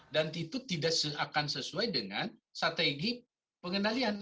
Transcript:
dan itu tidak akan sesuai dengan strategi pengendalian